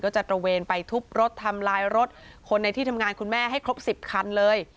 จะตระเวนไปทุบรถทำลายรถคนในที่ทำงานคุณแม่ให้ครบ๑๐คันเลย